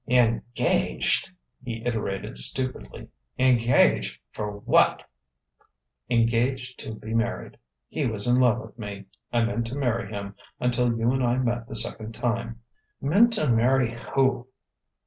"Engaged?" he iterated stupidly. "Engaged for what?" "Engaged to be married. He was in love with me. I meant to marry him until you and I met the second time " "Meant to marry who?"